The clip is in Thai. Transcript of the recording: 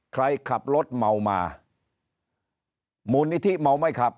ใครขับรถเมามามูลนิธิเมาไม่ขับ